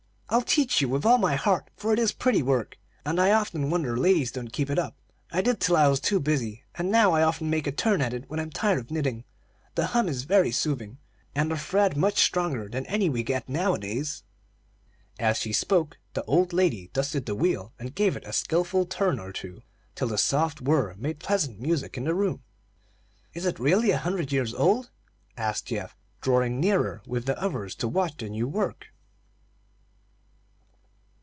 I'll teach you with all my heart, for it is pretty work, and I often wonder ladies don't keep it up. I did till I was too busy, and now I often take a turn at it when I'm tired of knitting. The hum is very soothing, and the thread much stronger than any we get nowadays." As she spoke, the old lady dusted the wheel, and gave it a skilful turn or two, till the soft whir made pleasant music in the room. "Is it really a hundred years old?" asked Geoff, drawing nearer with the others to watch the new work.